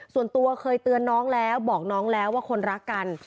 ส่วนตัวเคยเตือนน้องแล้วบอกน้องแล้วว่าคนรักกัน